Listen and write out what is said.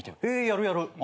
やるやる。